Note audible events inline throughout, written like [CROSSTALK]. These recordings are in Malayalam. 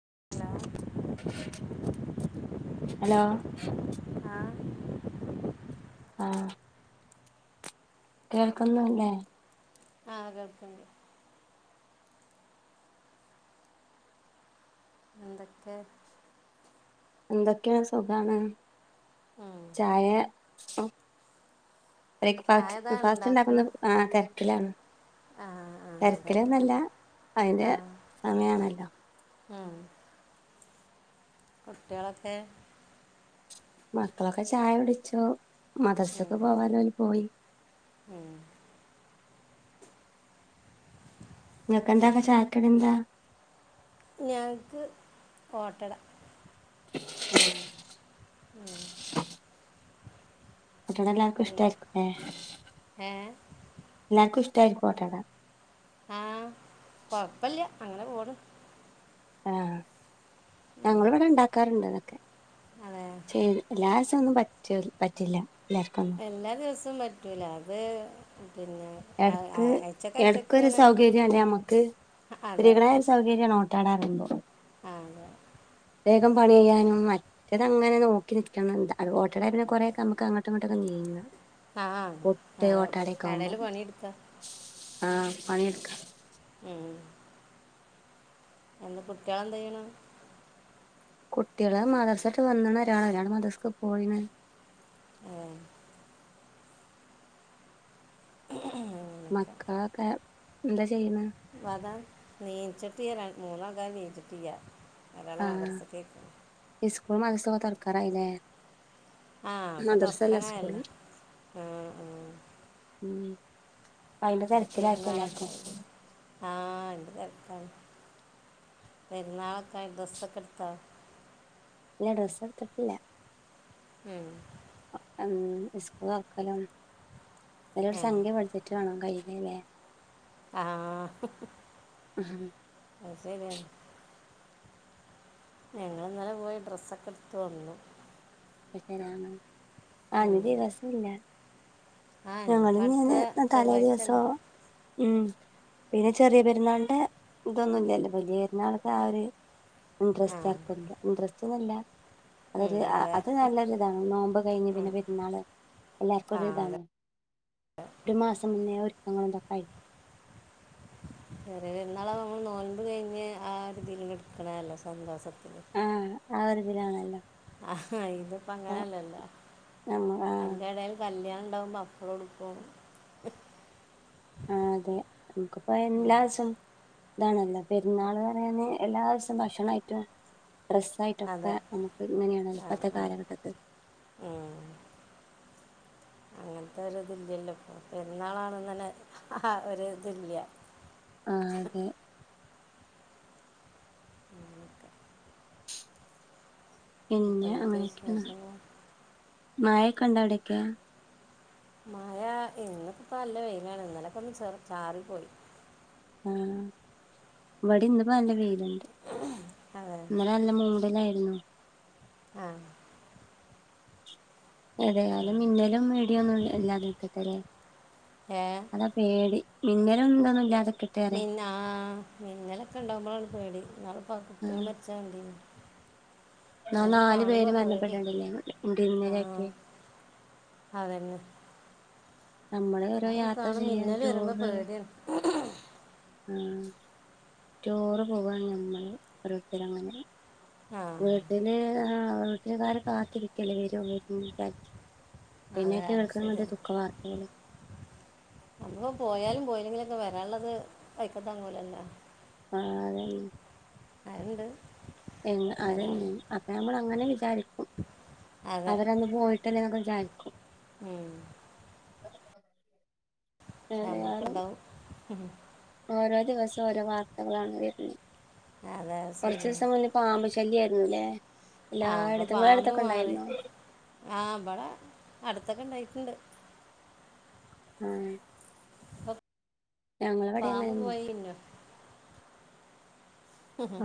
[UNINTELLIGIBLE] ഹലോ ആഹ് ആഹ് കേൾക്കുന്നുല്ലേ? ആഹ് കേൾക്ക്ണ്ട് എന്തൊക്കെ? എന്തൊക്കെ? സുഖാണ്. ഉം ചായ [UNINTELLIGIBLE] ബ്രേക്ക് ചായതാ ഫാസ്റ്റ് ഇണ്ടാക്ക്ണ് ഫാസ്റ്റ്ണ്ടാക്കുന്ന ആ തെരക്കിലാണ് ആഹ് ആഹ് അതെ തെരക്കിലാന്നല്ല അതിന്റെ സമയാണല്ലോ. ആഹ് കുുട്ടിയളൊക്കെ മക്കളൊക്കെ ചായ കുടിച്ചു. ഉം മദർസ്ക്ക് പോവാല്ലോല് പോയി. ഉം ഇങ്ങക്കെന്താണ് ചായക്കടി എന്താ? ഞങ്ങക്ക് ഓട്ടട [INAUDIBLE] ഓട്ടാട എല്ലാർക്കും എന്താ ഇഷ്ടായിരിക്കും ലേ, ഏഹ് എല്ലാർക്കും ഇഷ്ടായിരിക്കും ഓട്ടാട ആഹ് കൊഴപ്പല്ല. അങ്ങനെ പോണ് ആഹ് ഞങ്ങള്‌വടെ ഇണ്ടാക്കാറ്ണ്ട് അതൊക്കെ അതെ ചെയ് എല്ലാ സൊന്നും പറ്റുൽ പറ്റില്ല എല്ലാർക്കൊന്നും എല്ലാ ദിവസവും പറ്റൂല. അത് പിന്നെ എടക്ക് ആഴ്ചക്കാഴ്ചക്ക് എടക്കൊരു ഇങ്ങനെ സൗകര്യല്ലേ അമ്മക്ക്, അതെ സ്ത്രീകളെ സൗ കര്യാണ് ഓട്ടാട അറിയുമ്പൊ ആഹ് അതെ വേഗം പണി ചെയ്യാനും റ്റത് അങ്ങനെ നോക്കി നിക്കണം ന്ത അല ഓട്ടാടായാപിന്നെ കൊറെ ഒക്കെ നമക്ക് അങ്ങട്ടും ഇങ്ങട്ടൊക്കെ നീങ്ങ ആഹ് പുട്ട് അതെ ഓട്ടാടൊക്കെ ആകുമ്പം [UNINTELLIGIBLE] ആഹ് പണിട്ക്കാ ഉം എന്ത കുട്ടിയേളെന്തെയ്യ്ണു? കുട്ടിള് മദർസട്ട് വന്ന്ണ് ഒരാള്. ഒരാള് മദർസ്ക്ക് പോയിണ്. ഏഹ് ഉം ഉം ഉഹ് മക്കളൊക്കെ ന്ത ചെയ്യ്ണ്? വത നീച്ചിട്ടിയ്യ ര മൂന്നൾക്കാര് നീച്ചിട്ടില്ല ഒരാള് ആഹ് മദർസ്ക്കൊയ്ക്ക്ണ്. ഇസ്കൂൾ മദ്റസൊക്കെ തൊറക്കാറായി ല്ലേ? ആഹ് അപ്പൊ സ്കൂള് തൊറക്കാനായല്ലോ ആഹ് ആഹ്. ഉം അയിന്റെ തെരക്കിലായിക്കുല്ലാർക്കും. ആഹ് അയിൻ്റെ തെരക്കാണ് പെരുന്നാളൊക്കായി ഡ്രസ്സൊക്ക്ടുത്തോ? ഇല്ല ഡ്രസ്സെടുത്തിട്ടില്ല. മ്മ് ഉം ഇസ്കൂൾ തൊറ്ക്കലും നല്ലൊരു സംഖ്യ ബഡ്ജറ്റ് വാണം കയ്യിലില്ലേ? ആഹ് അയ്ശെര്യാണ്. ഞങ്ങള് ഇന്നലെ പോയി ഡ്രസ്സൊക്കെ ഇട്ത്തു വന്നു. [UNINTELLIGIBLE] ആഞ്ഞ് ഉം. ദിവസുല്ല. ആ ഇനിയിപ്പോൾ അടുത്ത ഞങ്ങള്ഞ്ഞ്ങ്ങനെ തലേ ചൊവ്വാഴ്ച ദിവസോ. അല്ലേ ഉം പിന്നെ ചെറിയ പെരുന്നാള്ന്റെ ഇതൊന്നുല്ലല്ലോ വലിയ പെരുന്നാള് താഒര് ആ ഇൻട്രസ്റ്റാർക്കുല്ല ഇൻട്രസ്റ്റ്ന്നല്ല. ഉം അതെ നല്ലൊരിതാണ് നോമ്പ് കഴിഞ്ഞ് ഉം. പിന്നെ പെരുന്നാള് ആ എല്ലാർക്കൊത് അതെ ഇതാണ്. ര് മാസം മുന്നേ ഒരുക്കങ്ങളുന്തൊക്കായിര്ക്കും. ചെറിയ പെരുന്നാള് നമ്മള് നോൽമ്പ് കഴിഞ്ഞ് ആ ഒരിതീല്ട് ട്ക്കണതല്ലേ സന്തോഷത്തില്. ആഹ് ആഒരിതിലാണല്ലോ. അഹ ഇതിപ്പ അങ്ങനല്ലല്ലോ നമ്മ ആഹ് അന്റെടയി കല്യാണണ്ടാവുബോ അപ്പളുടുക്കും. ആഹ് അതെ നമുക്കിപ്പോ എല്ലാസം താണല്ലോ പെരുന്നാളറന് എല്ലാസം ഭക്ഷണായിട്ടും ഡ്രെസ് അതെ സായിട്ടൊക്കെ നമുക്ക് ഇങ്ങനേണല്ലോ. ആ ഇപ്പത്തെ ആ. കാലഘട്ടത്ത് അങ്ങനത്തൊരിതില്യല്ലോ ഇപ്പോ പെരുന്നാളാണ്ന്നന്നെ ആ ഒരിതില്ല്യ. ആഹ് അതെ. അങ്നൊക്കെ ഇപ്പം പിന്നെ എന്തൊക്കെ അങ്ങനൊക്കേണ് വിശേഷങ്ങൾ മായൊക്കെണ്ടവിടൊക്കെ? മഴാ ഇന്നക്ക്പ്പോ നല്ല വെയിലാണ്. ഇന്നലൊക്കൊന്ന് ചെ ചാറി പോയി. ആഹ് ഇവടിം ഇന്ന്പ്പോ നല്ല വെയില്ണ്ട്. അതെ നല്ല മൂഡിലായിരുന്നു. ആഹ് ഏതായാലും മിന്നലും ഇടിയൊന്നും ഇല്ലാതിരിക്കട്ട ല്ലേ ഏ അതൊ പേടി മിന്നലും തൊന്നുല്ലാതെക്ക മിന്ന ആഹ് മിന്നലൊക്കെ ഇണ്ടഉമ്പളാണ് പേടി ഇന്നാള്പ്പോ ആ കുട്ട്യാള് ആഹ് മരിച്ചണ്ടില്ലേ. എന്നാ ന്ന് നാല് കാണുമ്പോ പേര് പേട്യ മരണപ്പെട്ടിട്ടില്ലേ ആഹ് ഇടിമിന്നലേറ്റ് അതന്നെ. നമ്മള് യോരോ അത് യാത്ര കാണും ചെയ്യാൻ മിന്നൽ വരുമ്പോൾ റ്റൂറ് പേടിയാണ് ആഹ് റ്റോറ് പോകാണ് നമ്മള് ഓരോരുത്തരങ്ങനെ. ആ വീട്ടില് ആഹ് വീട്ടിൽ കാര് കാത്തിരിക്കല്ലേ വരോ വരിൻചാരിച്ച്. പിന്നെ അതെ അത് കേൾക്കുന്നത് ശരി ദുഖ വാർത്തിയള് നമ്മളും പോയാലും പോയില്ലെങ്കിലൊക്കെ വരാള്ളത് വഴിക്കത്തങ്ങൂലല്ലോ. ആഹ് അതന്നെ. ആത്ണ്ട് എഹ് അത അപ്പൊ നമ്മൾ അങ്ങനെ വിചാരിക്കും അതെ അവരന്ന് പോയിട്ട് കുറച്ച്യിരിക്കും ഉം നമ്മക്ക ഏതായാലും ഇണ്ടാവും ഓരോ ദിവസം ഓരോ വാർത്തകളാണ് വരുന്നത് അതെ അത് കൊറച്ച ശരി ദിവസം മുന്ന പാമ്പ്ശല്യ ആയിരുന്നുല്ലേ ആ എല്ലായിടത്തങ്ങളും അടുത്തൊക്കെ ഉണ്ടായിരുന്ന ആഹ് അവിടെ അടുത്തൊക്കെ ഉണ്ടായിട്ടുണ്ട് ആഹ് അപ്പോൾ പാമ്പ് അങ്ങനെന്നെ പോയിന്ന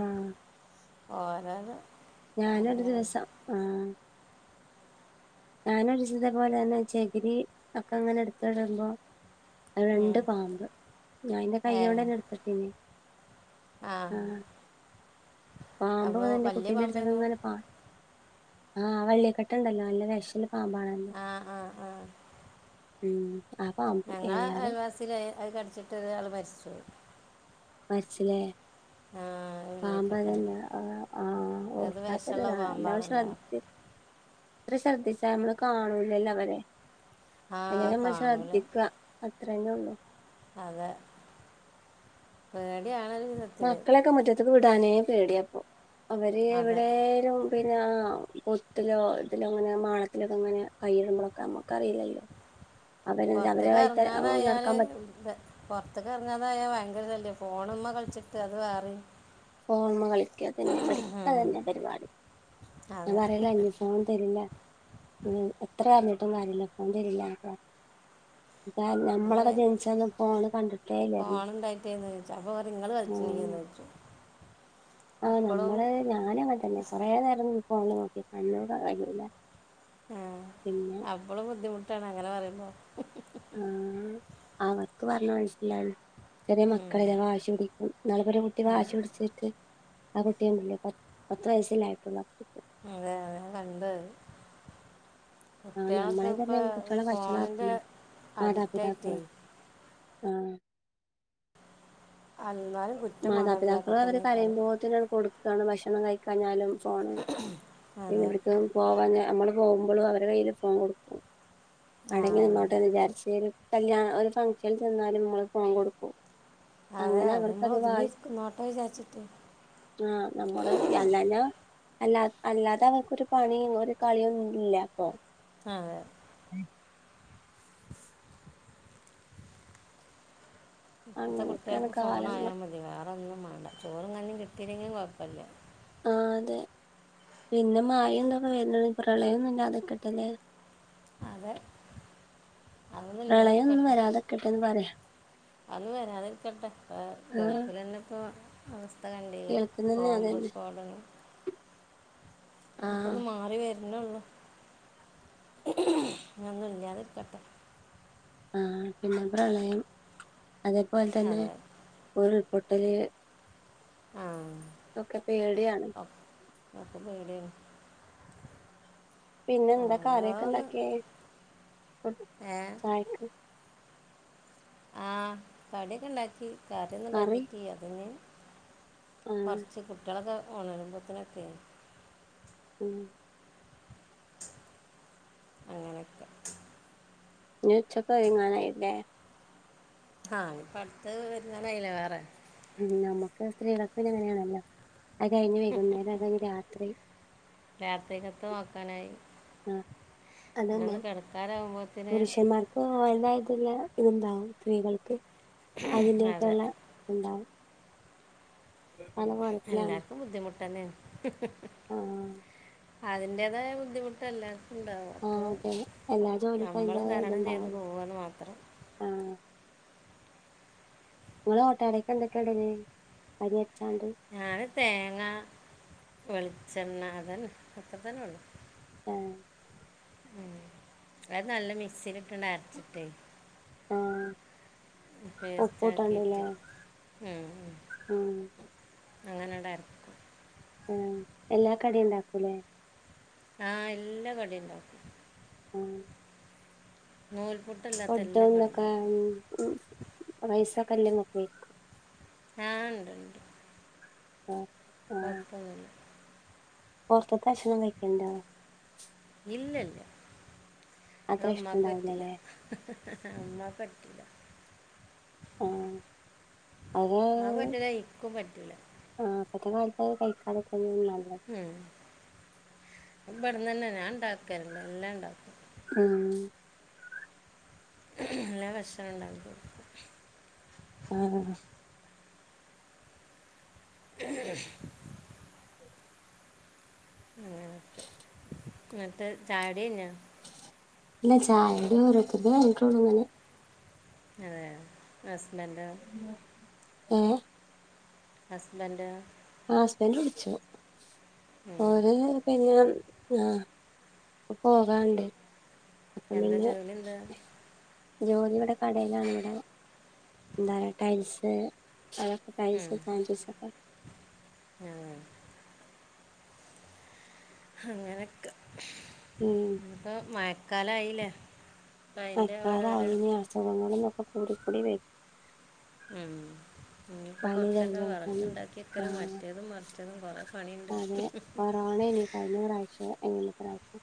ആ ഞാനൊ ഒരു ദിവസം ആഹ് ഞാനൊരിദിവസ ഇതേ പോലെ തന്നെ ചെകിരി ഒക്കെ അങ്ങനെ എടുത്തടുമ്പോ അത് രണ്ട് പാമ്പ് ഞാൻ എന്റെ ഏ കയ്യിലോണ്ടന്നെ എടുത്തിട്ടന്നെ ആ ആഹ് പാമ്പ അപ്പോൾ വന്നന്റെ വലിയ കുട്ടീന്റെ അടുത്തൊക്കെ പാമ്പായിരുന്നു ഇങ്ങനെ പാ ആഹ് വള്ളിക്കെട്ട്ണ്ടല്ലോ നല്ല വിശല് പാമ്പാണല്ലോ ആ ആ ആ ഉം ആ പാമ്പ് ഞങ്ങൾ ഏതായാലും അയൽവാസിൽ അത് കടിച്ചിട്ട് ഒരാൾ മരിച്ച് മരിച്ചലേ ആഹ് പാമ്പ അതന്നെ ആ്ഹ് അത് വിഷമുള്ള പാമ്പാണല്ലോ ഓർക്കാത്തല്ലതാല്ലാവശം അത്ര ശ്രദ്ധിച്ച നമ്മള് കാണൂലല്ലോ അവരെ ആ അങ്ങെ നമ്മൾ കാണൂല ശ്രദ്ധിക്കുക അത്രന്നേ ഉള്ളൂ അതെ പേടി ആണ് മക്കളൊക്കെ മുറ്റത്തക്ക് വിടാനേ പേടിയ അപ്പോ അവര് അതെ എവിടെലും പിന്നെ പൊത്തിലോ ഇതിലോ അങ്ങനെ മാണത്തിലൊക്കെ അങ്ങനെ കൈയിടുമമ്പോഴൊക്കെ നമുക്ക് അറിയില്ലല്ലോ പൊറത്തക്ക് ഇറങ്ങാനായാല് നടക്കാൻ പറ്റ പുറത്തക്ക കറങ്ങാതായയാ ഭയങ്കര ഇല്ലേ ഫോണമ്മ കളിച്ചിട്ട് അത് വേറി ഫോണ്മ കളിക്കാ തന്നെ എവിടിക്കാ തന്നെ പരിപാടി ഞാൻ അതെ പറയല ഫോൺ തരില്ല എത്ര കാലഞ്ഞിട്ടും കാര്യില്ല ഫോൺ തരില്ല എഹ് [INAUDIBLE] ജനിച്ചന്ന് ഫോണ് കണ്ടിട്ടേ ഇല്ലായിരുന്നു ഫോണ ഉണ്ടായിട്ടന്ന് ചോദിച്ച അപ്പൊങ്ങള്ൾ ആ കളിലിച്ചന്ന് [INAUDIBLE] ആഹ് നമ്മള് ഞാന അങ്ങനെ തന്നെ കൊറെ നേരം ഇപ്പോന്ന് നോക്കി കണ്ണൂടെ കഴൂല പിന്നെ എപ്പോഴും ബുദ്ധിമുട്ടാണ് അങ്ങനെ പറയുമ്പോൾ [UNINTELLIGIBLE] ആഹ് അവർക്ക് പറഞ്ഞ മനസില്ലാണ് ചെറിയ ഉം. മക്കളെതാ വാശി പിടിക്കും നളപല കുട്ടി അത് വാശി പിടിച്ചിട്ട് [UNINTELLIGIBLE] പഞ്ഞ് വയസല്ലേലായിട്ടുള്ള അതെ അതൻ കണ്ടത് ആഹ് കുട്ടികളക്ക നമ്മളെ ഇപ്പ തന്നെ കുട്ടികളെ ഫോണിന്റെ വഷളാക്കണം അഡിക്റ്റ ആയിട്ടേ മാതാപിതാക്കള് ആഹ് അമാറ് [UNINTELLIGIBLE] മാതാപിതാക്കൾ അവര് കരയുമ്പോ തന്നെയാണ് കൊടു ഭക്ഷണം കഴിക്കഞ്ഞാലും ഫോണ് അതെ പിന്നെ പോവാ നമ്മള് പോുമ്പോഴും അവരുടെ കയ്യിൽ ഫോൺ കൊടുക്കും ആ അടങ്ങി ഇങ്ങോട്ട്ന്ന് വിചാരിച്ച കല്യാണ ഒരു ഫംഗ്ഷനിൽ ചെന്നാലും മമ്മൾ ഫോൺ കൊടുക്കും അതെ അങ്ങനെ അതെ നമ്മള് അവർക്കത് ഒതുങ്ങിരിക്ക നോട്ടോ വിചാരിച്ചിട്ട് ആഹ് നമ്മള് അല്ലാല അല്ലാ അല്ലാതെ അവർക്കൊരു പണിയങ്ങ ഒരു കളിയും ഇല്ല അപ്പൊ അതെ ഇപ്പത്തെ അങ്ങനെയൊക്കെയാണ് കുട്ടികൾക്ക് കാലങ്ങൾ ഫോണായാൽ മതി വേറെന്നും വേണ്ട ചോറും കഞ്ഞും കിട്ടിയില്ലെങ്കിലും കുഴപ്പമില്ല ആഹ് അതെ പിന്നെ മായൊന്നൊക്കെ വല്ല പ്രളയൊന്നുംല്ല അതൊക്കെട്ടല്ലേ അതെ അതൊന്നും പ്രളയമൊന്നും വരാതെക്കട്ടെന്ന് പറയാ അത് വരാതിരിക്കട്ടെ ആ ഗൾഫിൽന്നെ ഇപ്പ അവസ്ഥ കണ്ടിലെ കേൾക്കുന്നന്നെ കോംബ് അതന്നെ സ്പോടനം ആ ഇക്കന്ന് മാറി വരുന്നള്ള ഒന്നും ഇല്ലാതിരിക്കട്ടെ ആഹ് പിന്നെ പ്രളയം അതേപോലെ തന്നെ അതെ ഉരുൾപൊട്ടല് ആഹ് ഓക്കെ പേടിയാണ് ഒക്കെ പേടിയാണ് പിന്നെ എന്താ ഓരോന്ന് കറിയോക്കെണ്ടാക്കെ ഏഹ് ആയിക്ക ആഹ് കടിയൊക്കെ ഇണ്ടാക്കി കാറിയോന്നും കറി ഇണ്ടാക്കിട്ടീല്ല അതിന് ആ കുറച്ച് കുട്ടികളൊക്കെ ഓണരുമ്പോത്തനൊക്കെയ ഉം അങ്ങനെയൊക്കെ ഉച്ചക്കങ്ങാനായില്ലേ ആഹ് ഇപ്പ അടുത്ത വരുന്നാനയില്ലേ വേറെ നമുക്ക് സ്ത്രീകളപ്പന് എങ്ങനെയാണല്ലോ അത് കഴിഞ്ഞ് വൈകുന്നേരം കഴിഞ്ഞ് രാത്രി രായാത്രികത് നോക്കാനായി ആ അതന്നെ പിന്നൊന്ന് കിടക്കാരാവുമ്പോ പുരുഷന്മാർക്ക് അതായതല്ല ഇത്ണ്ടാവും സ്ത്രീകൾക്ക് അതെ അതിന്റെട്ടുള്ള ഉണ്ടാവും അല പോ എല്ലാർക്കും ബുദ്ധിമുട്ടന്നെ ആഹ് അതിന്റേതായ ബുദ്ധിമുട്ടല്ല ഉണ്ടാവും ആ അപ്പോൾ അതെ എല്ലാ ജോലിക്കും നമ്മൾ തരണം ചെയ്തു പോവുകന്ന് മാത്രം ആഹ് നിങ്ങള് ഓട്ടടൊക്കെ എന്തൊക്കെയ ഇടല് അരി അരച്ചാണ്ട് ഞാന് തേങ്ങ വെളിച്ചെണ്ണ അതന്നെ അത്ര തന്നെ ഉള്ളു ആ ഉം അത് നല്ല മിക്സിയില ഇിട്ടുണ്ട അരച്ചിട്ടേ ആ പേസ്റ്റ് ഉപ്പൂട്ടാണ്ടല്ലേ അകിട്ട് ഉം അങ്ങനെ ഉണ്ടായിരുന്നു ആഹ് എല്ലാ കടി ഉണ്ടാക്കൂല്ലേ ആഹ് എല്ലാ കടിയുണ്ടക്കും ഉം നൂൽപുട്ട് ഫഡ ഒന്നൊക്കെ ഉം വയസൊക്കെല്ലേ മക്ക ആഹ് ഉണ്ട് ഉണ്ട് ഓ വർത്തല്ല പുറത്തത്തെ ഭക്ഷണം കഴക്കണ്ടോ ഇല്ല ഇല്ല അടെ അത്ര അമ്മാക്ക് പറ്റില്ല ഇഷ്ടണ്ടാവൂലല്ലേ അമ്മ പട്ടില ആഹ് അതെ ഉമ്മാക്ക് പറ്റില്ല ഇക്കും പറ്റില്ല ആഹ അപ്പഴത്തെ കാലത്ത് കഴിക്കാക്കെ നല്ലത് ഉം ഉമ്മവരുന്നെന് മുന്നേ ഞാൻ ഉണ്ടാക്കാറണ്ട് എല്ലാം ഉണ്ടാക്ക ആഹ് നല്ല ഭക്ഷണം ഉണ്ടാക്കും [UNINTELLIGIBLE] [UNINTELLIGIBLE] [UNINTELLIGIBLE] ഇല്ല ചായെടെ കൂടെതന്നെവന്നട്ടുള്ളൂ അങ്ങനെ അതെയാ ഹസ്ബൻഡ ഏഹ് ഹസ്ബൻഡാ ആഹ് ഹസ്ബൻഡ് വിളിച്ചു ഉം. [UNINTELLIGIBLE] പിന്നെ ആഹ് പോകാണ്ട് എന്താ പണിണ്ട് ജോലി എന്താ ജോലിയുടെ കടയിലാണ് ഇവിടെ [UNINTELLIGIBLE] ടൈസ്‌ ഉം. പാന്റിസൊക്കെ [UNINTELLIGIBLE] അങ്ങനെയൊക്കെ ഉം ഇപ്പോ മഴക്കാല ആയില്ലേ മഴക്കാല ആയിന് അസുഖങ്ങളൊക്കെ കൂടി കൂടി വരും ഉം ഇനി ഇപ്പോ പനി കൊറച്ചൊക്കെ വിറക് ജലദോഷം ഉണ്ടാക്കിക്കലും ആഹ് മറ്റേതും മ [UNINTELLIGIBLE] കൊറെ പണിയുണ്ട് അതെ [UNINTELLIGIBLE] കഴിഞ്ഞ പ്രാവശ്യം എങ്ങനത്തെ പ്രാവശ്യം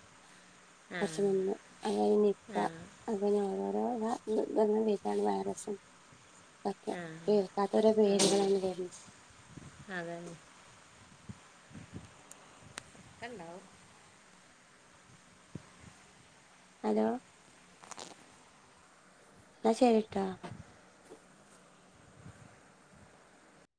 ആ കൊറച്ചു നിന്ന് അങ്ങനെ നിപ്പ ആ അത് പിന്നെ ഓരോരോ ഇതാ [UNINTELLIGIBLE] വൈറസ് ഒക്കെ ആ കേൾക്കാത്തൊരു ആ പേര്കളാണ് വരു അതന്നെ [UNINTELLIGIBLE] [UNINTELLIGIBLE] ഹലോ എന്നാ ശരിട്ടാ [UNINTELLIGIBLE]